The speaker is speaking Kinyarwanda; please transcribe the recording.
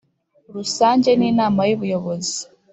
rusange n inama y ubuyobozi